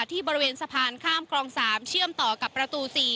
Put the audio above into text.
ที่บริเวณสะพานข้ามคลอง๓เชื่อมต่อกับประตู๔